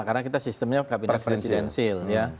karena sistemnya presidensil